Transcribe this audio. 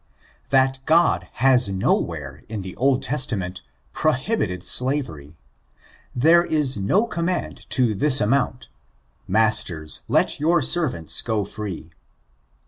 ] 7%at God has nowhere, in the Old Testament, PRontBiTBD slavery. There is no command to this amount, " MasterSf let your servants go free.'